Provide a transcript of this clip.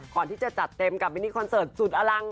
ก่อนที่จะจัดเต็มกับมินิคอนเสิร์ตสุดอลัง